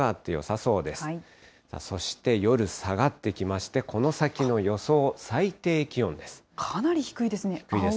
そして、夜下がってきまして、この先の予想最低気温です。